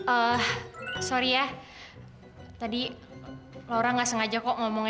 eh sorry ya tadi laura gak sengaja kok ngomongnya